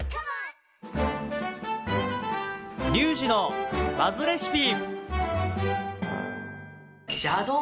「リュウジのバズレシピ」！